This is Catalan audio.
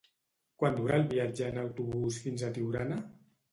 Quant dura el viatge en autobús fins a Tiurana?